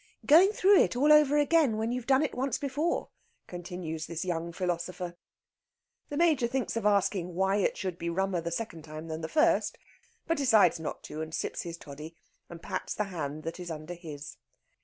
"Going through it all over again when you've done it once before," continues this young philosopher. The Major thinks of asking why it should be rummer the second time than the first, but decides not to, and sips his toddy, and pats the hand that is under his.